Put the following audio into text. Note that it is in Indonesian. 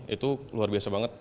itu luar biasa banget